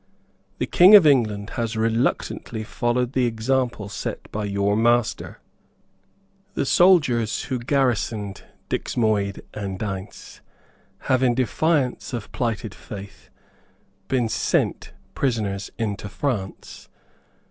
"The King of England has reluctantly followed the example set by your master. The soldiers who garrisoned Dixmuyde and Deynse have, in defiance of plighted faith, been sent prisoners into France.